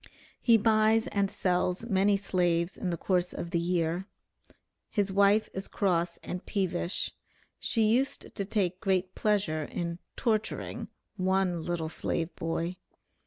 He buys and sells many slaves in the course of the year. 'His wife is cross and peevish.' She used to take great pleasure in 'torturing' one 'little slave boy.'